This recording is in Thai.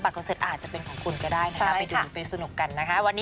บัตรเข้าเสิร์ตอาจจะเป็นของคุณก็ได้นะคะไปดูไปสนุกกันนะคะ